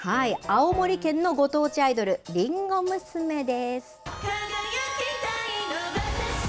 青森県のご当地アイドル、りんご娘です。